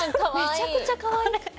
めちゃくちゃかわいくて。